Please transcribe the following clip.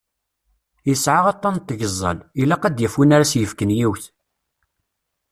Yesɛa aṭṭan n tgeẓẓal, ilaq ad d-yaf win ara s-yefken yiwet.